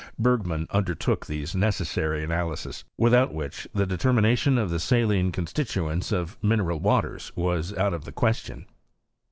Bergman undertook these necessary analyses, without which, the determination of the saline constituents of mineral waters was out of the question.